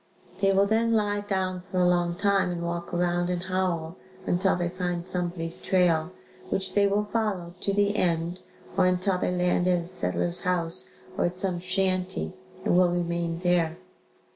They will then lie down for a long time and walk around and howl until they find somebody's trail, which they will follow to the end or until they land at a settler's house or at some shanty and will remain there.